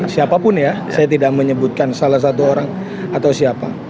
siapapun ya saya tidak menyebutkan salah satu orang atau siapa